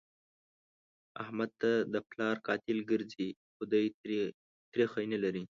احمد ته د پلار قاتل ګرځي؛ خو دی تريخی نه لري.